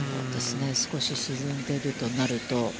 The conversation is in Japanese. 少し沈んでいるとなると。